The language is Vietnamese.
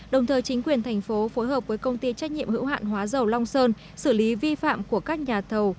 đồng thời chính quyền thành phố phối hợp với công ty trách nhiệm hữu hạn hóa dầu long sơn xử lý vi phạm của các nhà thầu